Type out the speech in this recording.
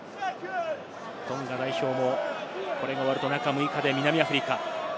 トンガ代表もこれが終わると、中６日で南アフリカ。